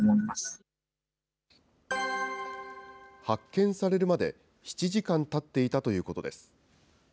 発見されるまで７時間たっていたということです。